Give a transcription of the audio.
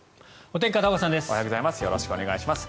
おはようございます。